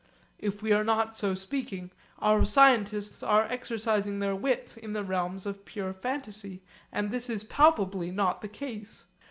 If we are not so speaking, our scientists are exercising their wits in the realms of pure fantasy, and this is palpably not the case.